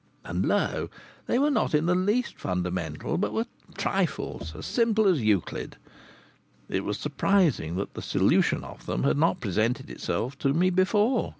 And lo! They were not in the least fundamental, but were trifles, as simple as Euclid. It was surprising that the solution of them had not presented itself to me before!